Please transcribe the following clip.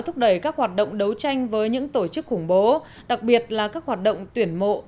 thúc đẩy các hoạt động đấu tranh với những tổ chức khủng bố đặc biệt là các hoạt động tuyển mộ